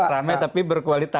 rame tapi berkualitas